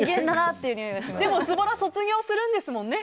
でもズボラ卒業するんですもんね。